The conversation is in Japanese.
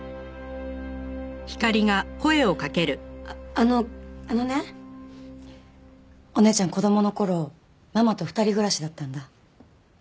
あのあのねおねえちゃん子供の頃ママと２人暮らしだったんだ。